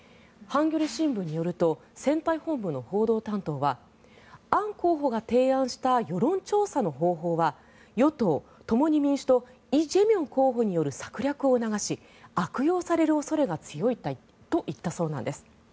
ハンギョレ新聞によると選対本部の報道担当はアン候補が提案した世論調査の方法は与党・共に民主党イ・ジェミョン候補による策略を促し悪用される恐れが強いと言ったそうなんです。